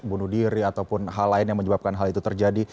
bunuh diri ataupun hal lain yang menyebabkan hal itu terjadi